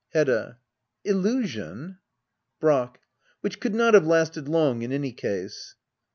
Hedda. Illusion ? Brack. Which could not have lasted long in any case.